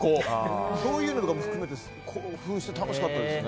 そういうのとかも含めて興奮して楽しかったですね。